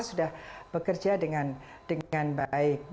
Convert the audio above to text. sudah bekerja dengan baik